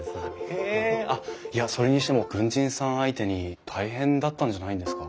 へえあっそれにしても軍人さん相手に大変だったんじゃないんですか？